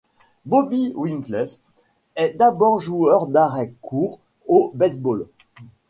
Bobby Winkles est d'abord joueur d'arrêt-court au baseball.